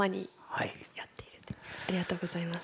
ありがとうございます。